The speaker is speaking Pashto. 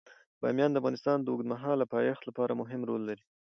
بامیان د افغانستان د اوږدمهاله پایښت لپاره مهم رول لري.